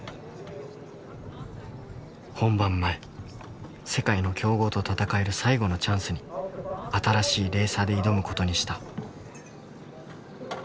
本番前世界の強豪と戦える最後のチャンスに新しいレーサーで挑むことにした。